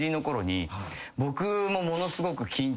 僕もものすごく。